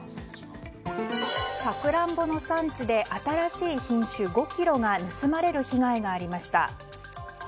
サクランボの産地で新しい品種５ｋｇが盗まれる被害がありました。